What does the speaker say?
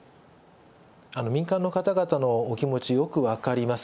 民間の方々のお気持ち、よく分かります。